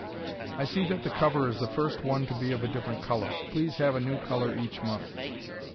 I see that the cover is the first one to be of a different color. Please have a new color each month.